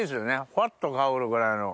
ふわっと香るぐらいの。